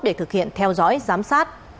để thực hiện theo dõi giám sát